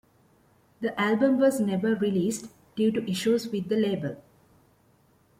The album was never released due to issues with the label.